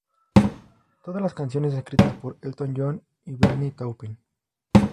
Todas las canciones escritas por Elton John y Bernie Taupin.